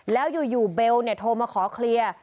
แล้วอยู่เบลโทรมาขอเคลียร์